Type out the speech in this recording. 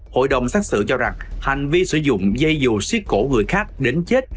hội đồng xác xử cho rằng hành vi sử dụng dây dù xí cổ người khác đến chết